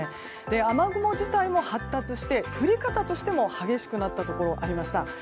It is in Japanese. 雨雲自体も発達して降り方としても激しくなったところがありました。